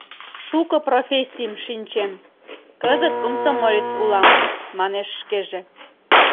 «Шуко профессийым шинчем, кызыт комсомолец улам», — манеш шкеже.